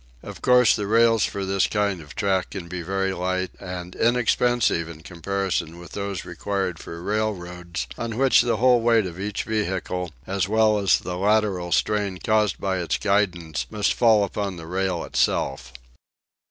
Of course the rails for this kind of track can be very light and inexpensive in comparison with those required for railroads on which the whole weight of each vehicle, as well as the lateral strain caused by its guidance, must fall upon the rail itself.